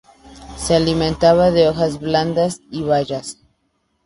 Se alimentaba de hojas blandas y bayas.